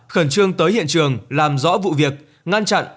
khẩn trương tới hiện trường làm rõ vụ việc ngăn chặn